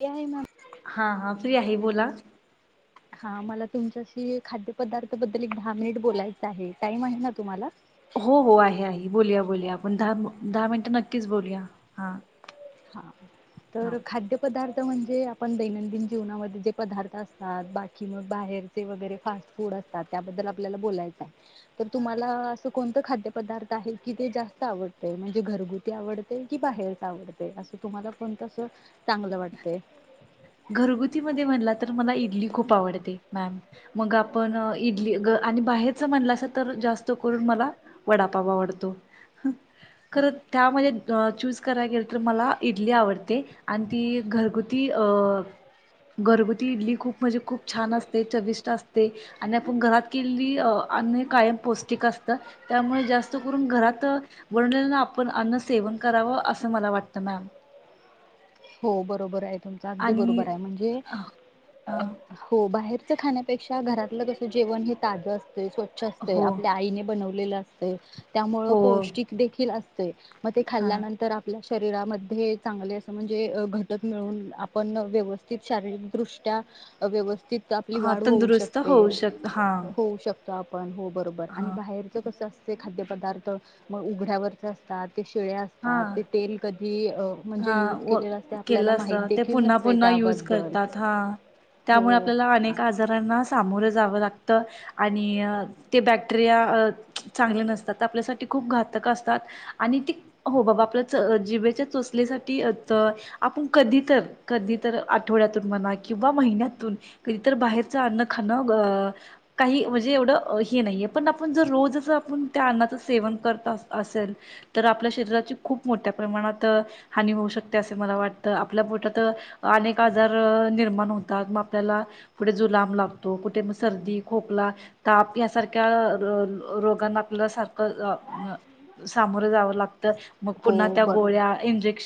ते आहे मॅम हा हा फ्री आहे बोला हा मला तुमच्याशी खाद्य पदार्थ बद्दल एक दहा मिनिट बोलायचं आहे टाइम आहे ना तुम्हाला बोलूया-बोलूया आपण दहा-दहा मिनिटं नक्कीच बोलूया हा हा हा तर खाद्यपदार त म्हणजे आपण दैनंदिन जीवनामध्ये जे पदार्थ असतात बाकी मग बाहेरचे वगैरे फास्ट फूड असतात त्याबद्दल आपल्याला बोलायचय. तर तुम्हाला असं कोणतं खाद्य पदार्थ आहे कि ते जास्त आवडतय म्हणजे घरगुती आवडतय की बाहेरच आवड असं तुम्हाला कोणतस घरगुती मध्ये म्हणला तर मला इड इडली खूप आवडते मॅम, मग आपण इडली ग आणि बाहेरच म्हणलासा तर जास्त करून मला वडापाव आवडतो. खर त्यामध्ये अ चूज करायला गेल तर मला इडली आवडते आण ती घरगुती अ घरगुती इडली खूप म्हणजे खूप छान असते. चविष्ट असते आणि आपण घरात केलेली अ अन्न हे कायम पौष्टिक असतं. त्यामुळे जास्त करून घरात बनवलेलं आपण अन्न सेवन करावं असं मला वाटत मॅम. हो बरोबर आहे तुमच अगदी आणि बरोबर आहे म्हणजे हां हो बाहेर च् खाण्यापेक्षा घरातलं कस जेव हे ताजं अस ते स्वच्छ असतय. हो आपल्या आईने बनव ले ल असतंय त्यामुळे हो पौष्टिक देखील असतय मग ते हां खाल्ल्यानंतर आपल्या श शरीरामध्ये चांगले असं म्हणज जे अ घटक मिळवून आपण व्यवस्थित शारीरिकदृष्ट्या व्यवस्थित त आपली हां वाढ होऊ तंदुरुस्त शकते होऊ शक हां होऊ शक स्थापन हो बरोबर आणि हां बाहेरचं कस असते खाद्यपदार्थ मग उघड्यावरचे असतात ते शिळे असतात हां ते तेल कधी म्हणजे हा यू केलं असत ते पुन्हा पुन्हा युज त्याबद्दल करतात हा हो त्यामुळे आपल्याला अनेक आजारांना सामोर जाव लागत आणि ते बॅक्टेरिया अ चांगले नसतात आपल्यासाठी खूप घातक असतात आणि ती हो बाबा आपल्याला च जीभेच्या चो आपल्यासाठी च आपण कधी तर कधी तर आठवड्यातून म्हणा किंवा महिन्यातून कधी तर बाहेरच अन्न खाणं काही म्हणजे एवढं हे नाहीये पण आपण जर रोजच आपण त्या अन्नाच सेवन करत अस असेल तर आपल्या शरीराची खूप मोठ्या प्रमाणात हानी होऊ शकते असे मला वाटतं. आपल्या पोटात अनेक आजार निर्माण होतात म आपल्याला कुठे जुलाम लागतो. कुठे मग सर्दी, खोकला, ताप यासारख्या रो रोगांना आपल्या सारखं सामोरं जावं लाग. तर मग हो पुन्हा त्या बरोबर. गोळ्या इंजेक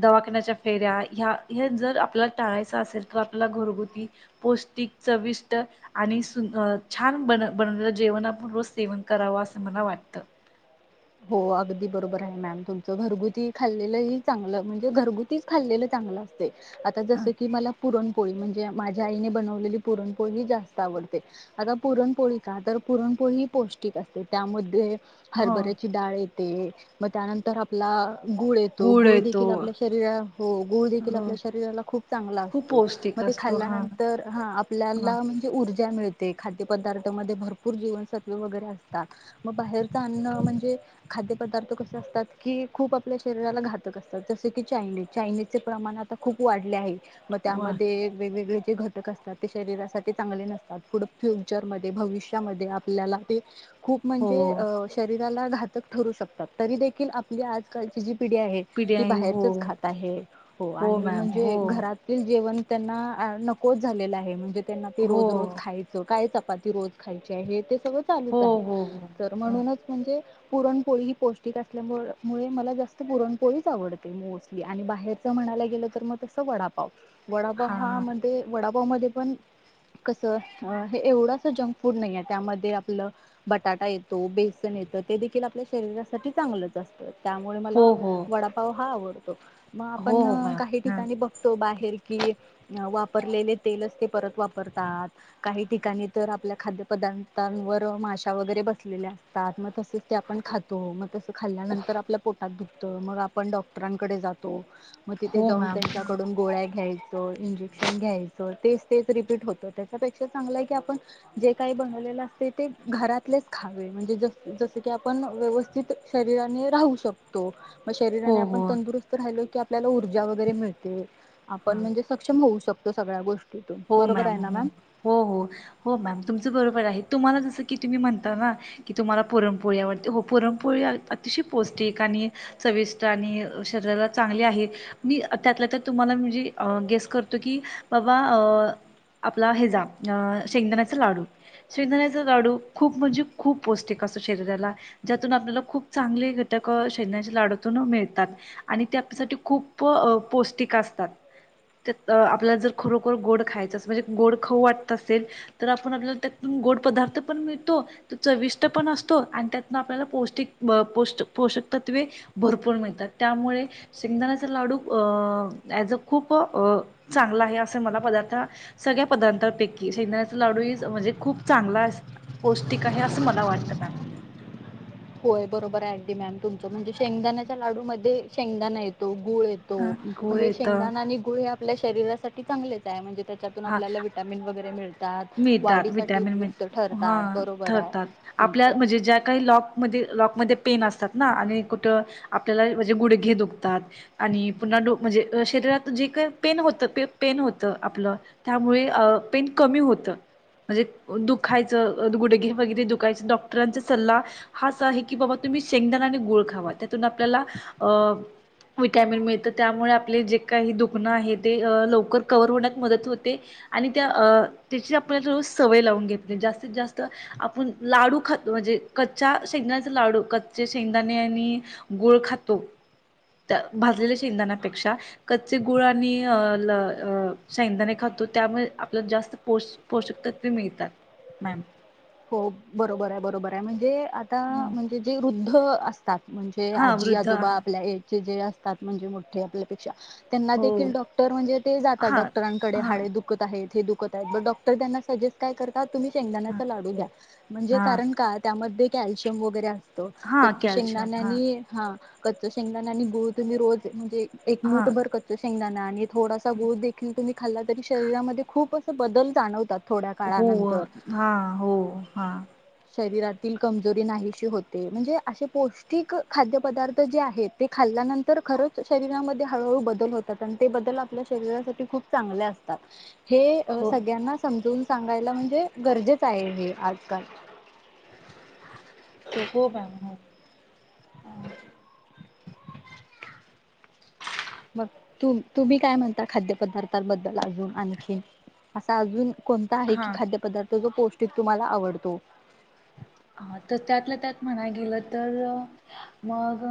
दवाखान्याच्या फेऱ्या ह्या हे जर आपल्याला टाळायच असेल तर आपल्याला घरगुती पौष्टिक चविष्ट आणि सुन आणि छान बनलं बनवलेलं जेवण आपण रोज सेवन कराव अस मला वाटत. हो अगदी बरोबर आहे मॅम तुमच, घरगुती खाल्लेलंही चांगलं म्हणजे घरगुतीच खाल्लेलं चांगलं असतय आता अ, जस की, मला पुरणपोळी म्हणजे माझ्या आईने बनवलेली पुरणपोळी जास्त आवडते. आता पुरणपोळी का तर पुरणपोळी ही पौष्टिक असते त्यामध्ये हो हरभरे येते मग त्यानंतर आपला गुळ येतो, गुळ देखील आपल्या शरीरा हो गुळ देखील हो आपल्या शरीराला खूप चांगला खूप असतो पौष्टिक मग ते असतो हा खाल्यानंतर हा हा आपल्याला म्हणजे ऊर्जा त्या मिळते खाद्य पदार्थमध्ये भरपूर जीवनसत्व वगैरे असतात म बाहेरच अन्न म्हण हे खाद्यपदार्थ कस असतात की, खूप आपल्या शरीराला घातक असतात, जसे की चायनीज चायनीज चे प्रमाण आता खूप वाढले आहे. मग वा त्यामध्ये वेगवेगळे जे घटक असतात ते शरीरासाठी चांगले नसतात, पुढं फ्युचरमध्ये भविष्यामध्ये आपल्याला ते खूप हो म्हणजे अ शरीर ज्याला घातक ठरू शकतात, तरी देखील आपली आजकालची जी पिढी आहे ती पिढ्याई हो बाहेरचच खात आहे हो आणि मॅम हो म्हणजे घरातील जेवण त्यांना नकोच झालेला आहे म्हणजे त्यांना ते हो रोज रोज खायचं. काय चपाती रोज खायची आहे ते तो हो चालूच आहे हो हो तर मग हा म्हणूनच पुरणपोळी ही पौष्टिक असल्यामुळ मुळे मला जास्त पुरणपोळीच आवडते मोस्टली आणि बाहेरच म्हणायला गेलं तर मग तसं वडापाव वडापाव हा मधे वडा मध्ये पण कस अ हे एवढस जंक फूड नाहीये, त्यामध्ये आपलं बटाटा येतो. बे पण येत ते देखील आपल्या शरीरासाठी चांगलंच असतं. त्यामुळे मला हो हो वडापाव हा आवडतो [unintelligible] म हो आपण हो मॅम काही हा ठिकाणी बघतो, बाहेर कि वापरलेले तेल असते. परत वापरतात, काही ठिकाणी तर आपल्या खाद्यपदार्थांवर माशा वगैरे बसलेल्या [unintelligible] तसेच ते आपण, खातो मग तसं खाल्ल्यानंतर आपल्या पोटात दुख त मग आपण, डॉक्टरांकडे जातो. म तिथे हो जाऊन, मॅम हा त्यांच्याकडून गोळ्या घ्याय इंजेक्शन, घ्यायचं तेच तेच रिपीट होत त्याच्यापेक्षा चांगलंय की आपण जे काही बनवलेलं असते ते घरातलेच खावे. म्हणजे ज जस की आपण व्यवस्थित शरीराने राहू शकतो. मग हो शरीराने, आपण हो तंदरुस्त राहिलो की आप आपल्याला, ऊर्जा वगैरे मिळते. हा आपण, म्हणजे सक्षम होऊ शक तो सगळ्या गोष हो मॅम हो हो हो मॅम तुमच बरोबर आहे. तुम्हाला जसं की तुम्ही म्हणता ना की तुम्हाला पुरणपोळी आवडते, हो पुरणपोळी अतिशय पौष्टिक आणि चविष्ट आणि शरीराला चांगली आहे, मी त्यातला त्यात तुम्हाला म्हणजे गेस करतो की बाबा अ आपला हे जा अ शेंगदाण्याचे लाडू शेंगदाण्याचे लाडू खूप म्हणजे खूप पौष्टिक असत शरीराला ज्यातून आपल्याला खूप चांगले घटक अ शेंगदाण्याच्या लाडूतून मिळतात आणि ते आपल्यासाठी खूप प अ पौष्टिक असतात त्यात आपल्याला जर खरो गोड खायचच म्हणजे गोड खाऊ वाटत असेल तर आपूण आपल्याला त्यातून गोड पदार्थ पण मिळतो, तो चविष्ट पण असतो, आणि त्यातून आपल्याला पौष्टिक ब पोष्ट पोषक तत्वे भरपूर मिळतात. त्यामुळे शेंगदाण्याचा लाडू अ एज खूप अ चांगला आहे. मला पदार्थ सगळ्या पदार्थांपैकी शेंगण्याचा लाडू म्हणजे खूप चांगला पौष्टिक आहे असं मला वाटत होय बरोबर, आहे दि मॅम तुमच म्हणजे शेंगदाणाच्या लाडू मध्ये शेंगदाणा येतो. गुळ येतो मॅम म गुळ हे येतं शेंगदाणा आणि गुळ आपल्या शरीरासाठी चांगलेच आहे म्हणजे त्याच्यातून, हा. आपल्याला व्हिटॅमिन वगैरे मिळत. मिळतात, व्हिटामिन मिल हा ठरतात बरोबर आहे ठरतात. आपल्या तुमचं म्हणजे ज्या काही लॉक म्हणजे लॉक गुडघ्यामध्ये पेन असतात ना आणि कुठ आपापल्या गुडघे दुखतात आणि पुन्हा म्हणजे शरीरात जे काही पेन होत पेन होत ते आपल त्यामुळे पेन कमी होत म्हणजे दुखायच गुडघे वगैरे डॉक्टरांचा सल्ला हाच आहे की तिची आपण सवय लाऊन घेतली जास्तीत जास्त आपण लाडू खातो कच्च्या शेंगदाना चा लाडू कच्चे शेंगदाणे आणि गूळ खातो भाजलेल्या शेंगदाणा च्या पेक्षा कच्चे गूळ शेंगदाणे खातो त्यामुळे आपल्याला जास्त पोषक, तत्वे मिळतात मॅम. हो बरोबर आहे बरोबर आहे म्हणजे आता म्हणजे जे हृदय हो अस म्हणजे हा आज्जी, वृद्ध आजोबा आहार आपल्या ऐज चे जे अस तात, म्हणजे मोठे आपल्या पेक्षा. हो त्यांनादेखील डॉक्टर म्हणजे ते जातात हा डॉक्टरां कडे हा हाडे दुखत आहेत हे दुखत डॉक्टर त्यांना सजेस्ट काय करतात तुम्ही त्या हा लाडू, घ्या म्हणजे हा कारण का त्यामध्ये कॅल्शियम वगैरे अस तो हा कच्च कॅल्शियम शेंगदाण हा आणि हा कच्च शेंगदाणे आणि गुळ तुम्ही रोज म्हणजे एक हा मूठभर कच्च शेंगदाण आ थोडासा गुळ देखील तुम्ही खाल्ला तरी शरीरामध्ये खूपच बदल जाणव हो हा हो ओ हा शरीरातील कमजोरी नाहीशी होते म्हणजे असे पौष्टिक खाद्यपदार्थ जे आहेत ते खाल्ल्यानंतर खरंच शरीरामध्ये हळूहळू बदल होतात आणि ते बदल आपल्या शरीरासाठी खूप चांगले अस हे अ हो सगळ्यांना समजवून सांगायला म्हणजे गरजेच टाईम ये आजकाल हो [unintelligible] मग मग तु तुम्ही काय म्हणता खाद्यपदार्थन बद्दल अजून आणखीन असं अजून कोणता आहे की हां खाद्यपदार्थ तो जो पौष्टिक तुम्हाला आवडतो. हा तर त्यातल्या त्यात म्हणाय गेलं तर मग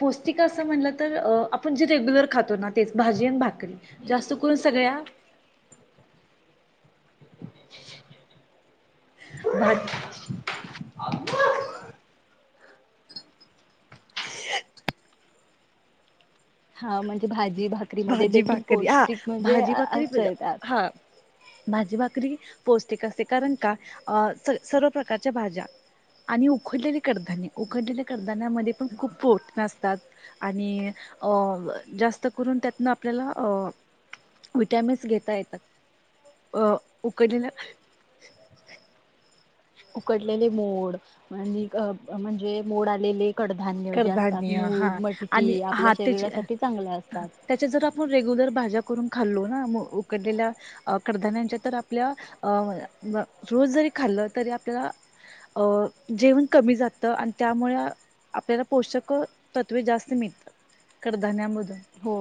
पौष्टिक असं म्हटलं तर अ आपण जे रेग्युलर खातो ना तेच भाजी आणि भाकरी जास्त करून सगळ्या [inaudible] भाजी [inaudible] हा म्हणजे भाजी जी भाकरी मध्ये भाजी देखील भाकरी हा पौष्टिक म्हणजे भाजी भाकरी असतय त्यात. हा भाजी भाकरी पौष्टिक असते कारण का अ स सर्व प्रकारच्या भाज्या आणि उकडलेली कडधान्य उकडलेली कडधान्यामध्ये पण खूप प्रोटीन असतात आणि अ ब जास्त करून त्यात त्यातन आपल्याला अ विटामिन्स घेता येतात अ उकडलेल्या उकडलेले मोड आणिक अ ब म्हणजे मोड आलेले कडधान्य जे असतात कडधान्य हा मूग आणि मटकी आपल्या हा त्याची शरीरासाठी चांगले असतात त्याची जर रेग्युलर भाज्या करून खाल्लो ना मग उकडलेल्या अ कडधान्याच्या तर आपल्या रोज जरी खाल्लं तरी आपल्याला जेवण कमी जातं आणि त्यामुळे आपल्याला पोषक तत्वे जास्त मिळतात कडधान्या मधून हो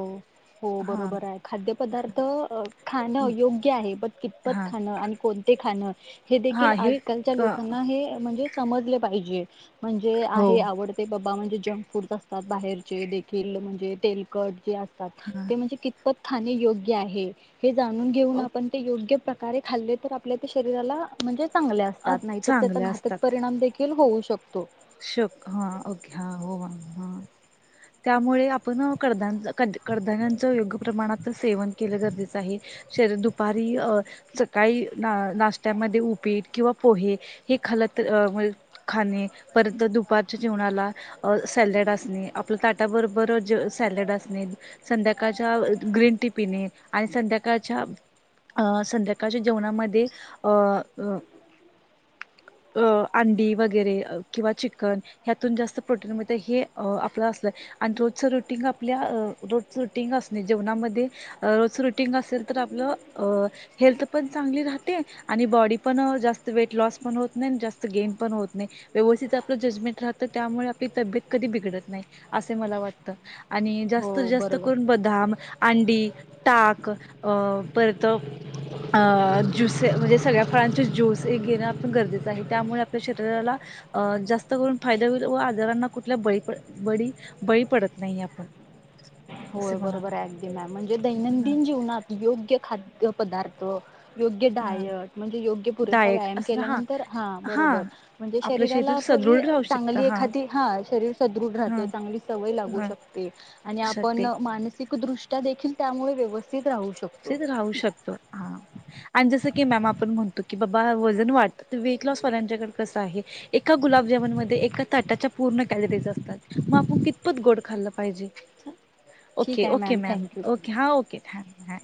हो बरोबर आहे खाद्यपदार्थ अ खाणं योग्य आहे बट कितपत हा खाणं कोणते खाणं हे हा देखील हे आजकालच्या अ लोकांना हे अ म्हणजे समजले पाहिजे. म्हणजे हो आहे आवडतयं बबा म्हणजे जंक फूडचा बाहेरचे देखील म्हणजे तेलकट जे अस तात हा. ते म्हणजे कितपत खाणे योग्य आहे. हे जाणून घेऊन आपण ते योग्य प्रका कारे खाल्ले तर आपल्या ते शरीराला म्हणजे चांगले अ असतात नाही तर त्याचा चांगल्या घातक परिणाम देखील होऊ शक तो श्यक ह ओके हा ओ हा हा त्यामुळे आपण कडधान ज कद कडधान्याचं योग्य प्रमाणात सेवन केलं गरजेच आहे शरीर दुपारी अ सकाळी ना नाष्ट्यामध्ये उपीट किंवा पोहे हे खाल्ल तर अम खाणे परत दुपारच्या जेवणाला अ सॅलड असणे आपलं ताटा बरोबर ज सॅलड असणे संध्याकाळच्या अ ग्रीन टी पिणे आणि संध्याकाळच्या अ संध्याकाळच्या जेवणामध्ये अ अ अ अंडी वगैरे अ किंवा चिकन ह्यातून जास्त प्रोटीन मिळतं हे आपलं असतंय आणि रोजच रुटिंग आपल्या रोजच रुटिंग असणे जेवणामध्ये रोज रुटिंग असेल तर आपलं अ हेल्थ पण चांगली राहते आणि बॉडी पण जास्त वेट लॉस पण होत नाई अन जास्त गेम पण होत नाई. व्यवस्थित आपलं जजमेंट राहतं त्यामुळे आपली तब्येत कधि बिघडत नाई असे मला वाटत. आणि जास्त हो जास्त बरोबर करून बदाम अंडी ताक अ परत अ ज्यूसे म्हंजे सगळ्या फळांचे ज्यूस हे घेणं आपण गरजेच आहे त्यामुळं आपल्या शरीराला अ जास्त करून फायदा होईल व आजारांना कुठल्या बळी पडत बडी बळी पडत नाई आपण. असे होय म्हणाला बरोबर हायं अगदी मॅम म्हणजे दैनंदिन जीवनात योग्य खाद्यपदार्थ योग्य हा डायट म्हणजे योग्य पुरेसा डायट व्यायाम असं केल्या नंतर हा बरोबर म्हणजे आपलं शरीराला शरीर आपली सदृढ अ राहू शकत चांगली हा एखादी ह शरीर सदृढ ह राहतं चांगली सवय लागू ह शकते आणि आप पण शकते मानसिक दृष त्या देखील त्यामुळे व्यवस् कुशीत राहू शकतो हा अन जसं की मॅम आपण म्हणतो की बाबा वजन वाढतं तर वेट लॉस वाल्यांच्याकड कस आहे एका गुलाबजामुन मधे एका ताटाच्या पूर्ण कॅलरीज असतात मग आपुण कितपत गोड खाल्ल पाहिजे? ठीक ओके आहे ओके मॅम थँक्यू ओके हा ओके थँक हॅ